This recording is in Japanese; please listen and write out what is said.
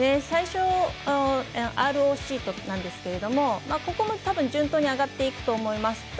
最初、ＲＯＣとなんですけれどもここも多分順当に上がっていくと思います。